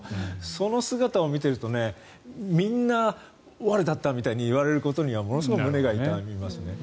その姿を見ているとみんな悪だったみたいに言われることにはものすごく胸が痛みますね。